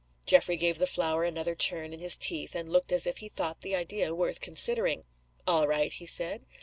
Geoffrey gave the flower another turn in his teeth, and looked as if he thought the idea worth considering. "All right," he said.